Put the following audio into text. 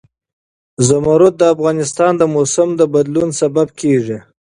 زمرد د افغانستان د موسم د بدلون سبب کېږي.